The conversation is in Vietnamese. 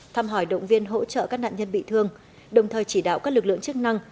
thăm hỏi động viên hỗ trợ các nạn nhân bị thương đồng thời chỉ đạo các lực lượng chức năng